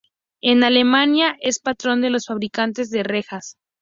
En Alemania, es patrón de los fabricantes de rejas.